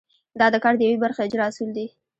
دا د کار د یوې برخې اجرا اصول دي.